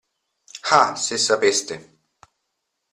Ah, se sapeste.